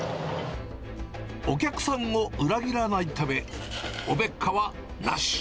お客さんを裏切らないため、おべっかはなし。